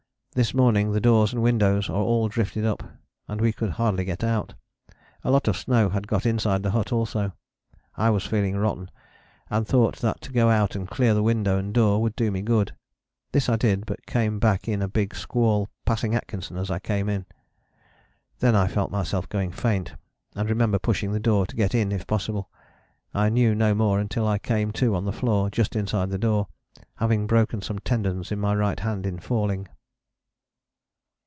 This morning the doors and windows are all drifted up, and we could hardly get out: a lot of snow had got inside the hut also: I was feeling rotten, and thought that to go out and clear the window and door would do me good. This I did, but came back in a big squall, passing Atkinson as I came in. Then I felt myself going faint, and remember pushing the door to get in if possible. I knew no more until I came to on the floor just inside the door, having broken some tendons in my right hand in falling."